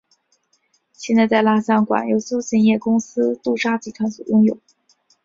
现在蜡像馆由休闲业公司杜莎集团所拥有。